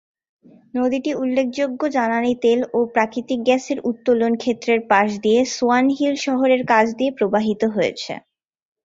নদীটি উল্লেখযোগ্য জ্বালানী তেল ও প্রাকৃতিক গ্যাসের উত্তোলন ক্ষেত্রের পাশ দিয়ে সোয়ান হিল শহরের কাছ দিয়ে প্রবাহিত হয়েছে।